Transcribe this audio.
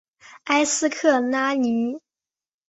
埃斯克拉尼。